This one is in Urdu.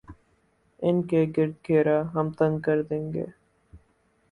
ان کے گرد گھیرا ہم تنگ کر دیں گے۔